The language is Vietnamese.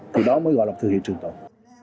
từ đó mới gọi là thương hiệu trường tội